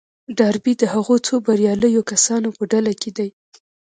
ډاربي د هغو څو برياليو کسانو په ډله کې دی.